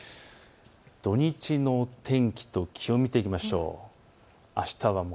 土日の天気と気温を見ていきましょう。